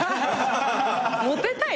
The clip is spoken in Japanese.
モテたい？